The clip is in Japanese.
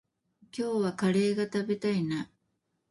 今日はカレーが食べたいな。